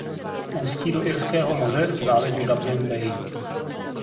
Ústí do Irského moře v zálivu Dublin Bay.